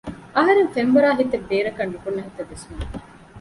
އަހަރެން ފެންވަރާހިތެއް ބޭރަށް ނުކުނަ ހިތެއްވެސް ނުވި